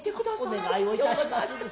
お願いをいたしまする。